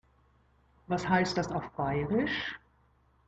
Was heißt das auf Bairisch?